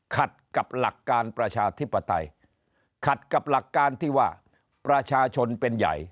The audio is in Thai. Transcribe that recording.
ขัดกับหลักการประชาธิปไตยขัดกับหลักการที่ว่าประชาชนเป็นใหญ่